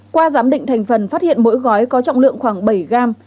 qua giám định thành phần phát hiện mỗi gói có trọng lượng khoảng bảy gram